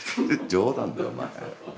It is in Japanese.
冗談だよお前。